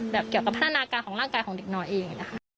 เกี่ยวกับพัฒนาการของร่างกายของเด็กน้อยเองนะคะ